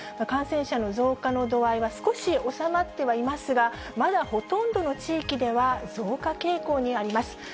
感染者の増加の度合いは少し収まってはいますが、まだほとんどの地域では増加傾向にあります。